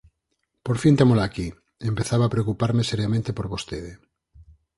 Por fin témola aquí, empezaba a preocuparme seriamente por vostede.